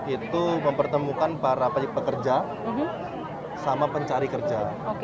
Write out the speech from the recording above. itu mempertemukan para pekerja sama pencari kerja